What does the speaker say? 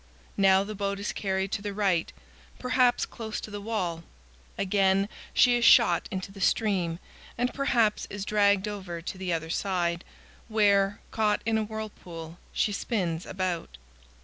Now the boat is carried to the right, perhaps close to the wall; again, she is shot into the stream, and perhaps is dragged over to the other side, where, caught in a whirlpool, she spins about.